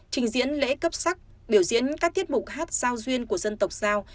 trình diễn lễ cấp sắc biểu diễn các tiết mục hát sao duyên của dân tộc sao